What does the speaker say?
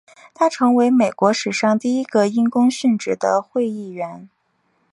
他成为美国史上第一个因公殉职的众议员。